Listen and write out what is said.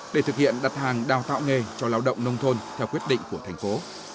để thực hiện đặt hàng đào tạo nghề cho lao động nông thôn theo quyết định của thành phố